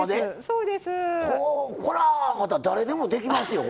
これは、誰でもできますよ。